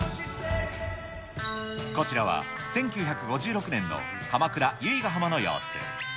こちらは１９５６年の鎌倉・由比ガ浜の様子。